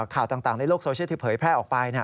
ข่าวต่างในโลกโซเชียลที่เผยแพร่ออกไป